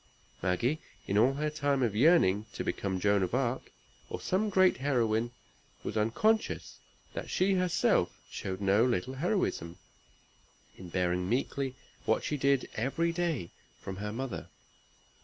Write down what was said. Maggie, in all her time of yearning to become Joan of Arc, or some great heroine, was unconscious that she herself showed no little heroism, in bearing meekly what she did every day from her mother.